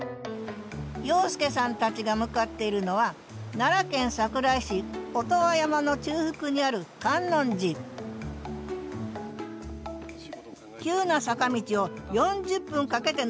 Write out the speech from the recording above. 洋輔さんたちが向かっているのは奈良県桜井市音羽山の中腹にある観音寺急な坂道を４０分かけて上るんですって。